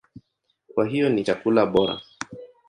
Kwa hiyo ni chakula bora.